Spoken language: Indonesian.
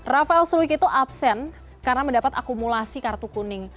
rafael sluik itu absen karena mendapat akumulasi kartu kuning